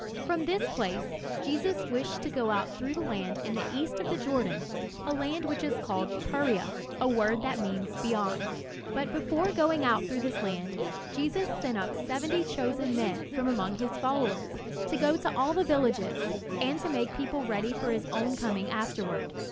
From this place Jesus wished to go out through the land in the east of the Jordan, a land which is called "Perea," a word that means "beyond." But before going out through this land, Jesus sent out seventy chosen men from among his followers to go to all the villages, and to make the people ready for his own coming afterward.